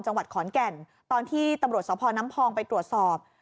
จังหวัดขอนแก่นตอนที่ตำรวจสพน้ำพองไปตรวจสอบ